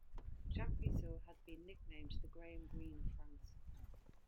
Japrisot has been nicknamed "the Graham Greene of France".